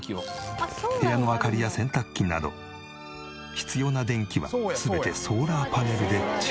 部屋の明かりや洗濯機など必要な電気は全てソーラーパネルで蓄電。